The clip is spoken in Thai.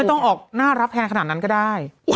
ไม่ต้องออกหน้ารับแทนขนาดนั้นก็ได้